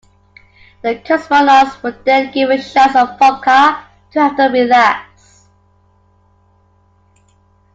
The cosmonauts were then given shots of vodka to help them relax.